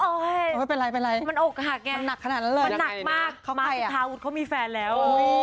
โอ้โฮมันเป็นไรมันหนักขนาดนั้นเลยมันหนักมากมาร์ทศาวุธเขามีแฟนแล้ว